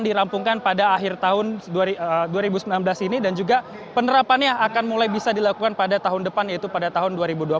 dirampungkan pada akhir tahun dua ribu sembilan belas ini dan juga penerapannya akan mulai bisa dilakukan pada tahun depan yaitu pada tahun dua ribu dua puluh